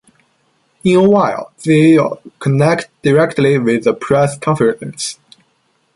In a while, they’ll connect directly with the press conference.